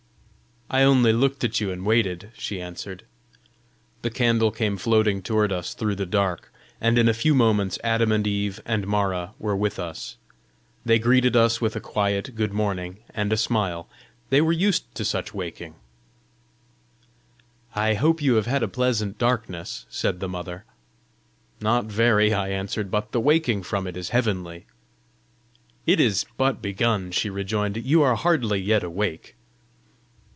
"I only looked at you and waited," she answered. The candle came floating toward us through the dark, and in a few moments Adam and Eve and Mara were with us. They greeted us with a quiet good morning and a smile: they were used to such wakings! "I hope you have had a pleasant darkness!" said the Mother. "Not very," I answered, "but the waking from it is heavenly." "It is but begun," she rejoined; "you are hardly yet awake!"